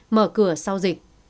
mở cửa sau dịch